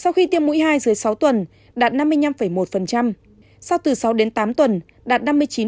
sau khi tiêm mũi hai dưới sáu tuần đạt năm mươi năm một sau từ sáu đến tám tuần đạt năm mươi chín